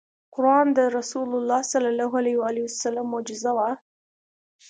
قرآن د رسول الله ص معجزه وه .